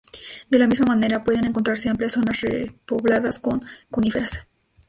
De la misma manera pueden encontrarse amplias zonas repobladas con coníferas.